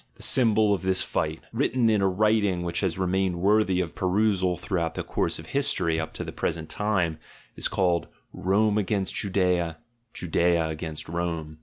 The symbol of this fight, written in a writing which has remained worthy of perusal throughout the course of history up to the present time, is called "Rome against Judaea, Judaea against Rome."